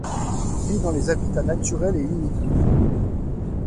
Vit dans les habitats naturels et humides.